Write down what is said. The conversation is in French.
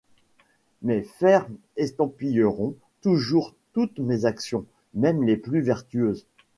Mes fers estampilleront toujours toutes mes actions, même les plus vertueuses.